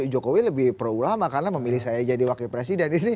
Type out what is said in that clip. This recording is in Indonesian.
jokowi lebih pro ulama karena memilih saya jadi wakil presiden